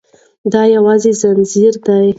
دا یو ځنځیر دی.